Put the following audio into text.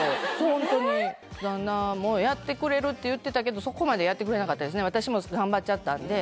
ホントに旦那もやってくれるって言ってたけどそこまでやってくれなかったですね